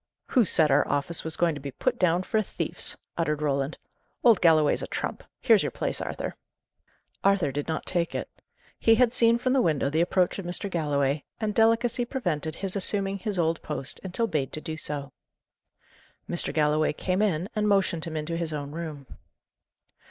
"Who said our office was going to be put down for a thief's!" uttered Roland. "Old Galloway's a trump! Here's your place, Arthur." Arthur did not take it. He had seen from the window the approach of Mr. Galloway, and delicacy prevented his assuming his old post until bade to do so. Mr. Galloway came in, and motioned him into his own room.